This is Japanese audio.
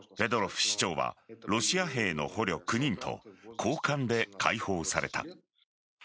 フェドロフ市長はロシア兵の捕虜９人と交換で解放された。